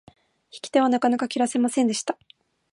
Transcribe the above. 引き手はなかなか切らせませんでした。